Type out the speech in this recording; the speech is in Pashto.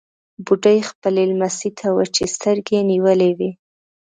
بوډۍ خپلې لمسۍ ته وچې سترګې نيولې وې.